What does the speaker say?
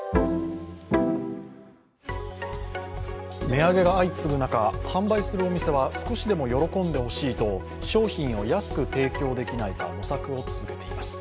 値上げが相次ぐ中、販売するお店は少しでも喜んでほしいと商品を安く提供できないか模索を続けています。